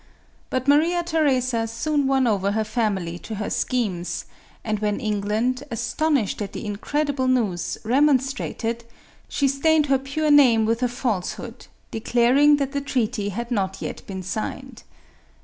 But Maria Theresa soon won over her family to her schemes ; and when England, astonished at the incredi ble news, remonstrated, she stained her pure name with a falsehood, declaring that the treaty had not yet been signed.